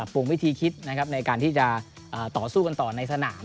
ปรุงวิธีคิดนะครับในการที่จะต่อสู้กันต่อในสนาม